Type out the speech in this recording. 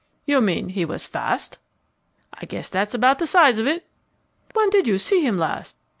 "You mean he was fast?" "I guess that's about the size of it." "When did you see him last?"